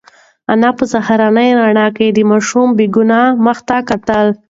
انا په سهارنۍ رڼا کې د ماشوم بې گناه مخ ته کتل.